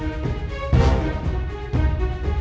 nih tante ada makanan buat kamu